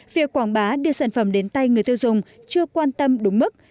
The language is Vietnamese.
việc quảng bá đưa sản phẩm đến tay người tiêu dùng chưa quan tâm đúng mức